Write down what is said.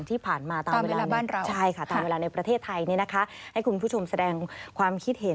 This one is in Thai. ที่ผ่านมาตามเวลาในประเทศไทยคุณผู้ชมแสดงความคิดเห็น